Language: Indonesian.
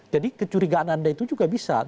jadi kecurigaan anda itu juga bisa